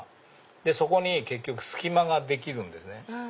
そこに結局隙間ができるんですね。